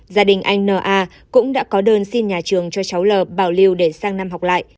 gia đình anh na cũng đã có đơn xin nhà trường cho cháu l bảo lưu để sang năm học lại